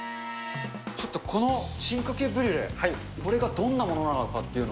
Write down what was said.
ちょっとこの進化系ブリュレ、これがどんなものなのかっていう